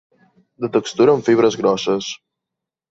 De textura en fibres grosses.